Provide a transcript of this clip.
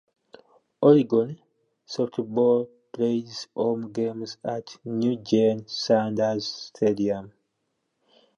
Oregon Softball plays home games at the new Jane Sanders Stadium.